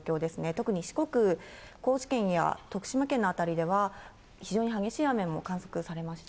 特に四国、高知県や徳島県の辺りでは、非常に激しい雨も観測されました。